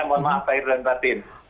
mohon maaf lahir dan batin